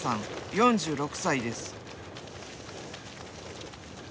４６歳です。